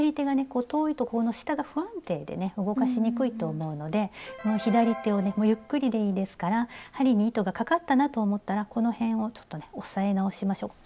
こう遠いとこの下が不安定でね動かしにくいと思うので左手をねゆっくりでいいですから針に糸がかかったなと思ったらこの辺をちょっとね押さえ直しましょう。